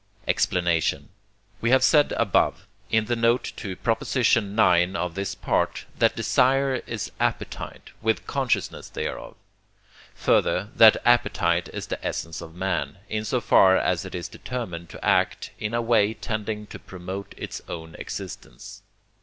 Explanation. We have said above, in the note to Prop. ix. of this part, that desire is appetite, with consciousness thereof; further, that appetite is the essence of man, in so far as it is determined to act in a way tending to promote its own persistence.